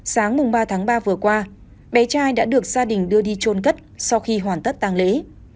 sáng ba tháng ba vừa qua bé trai đã được gia đình đưa đi trôn cất sau khi hoàn tất tàng lễ